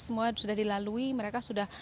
semua sudah dilalui mereka sudah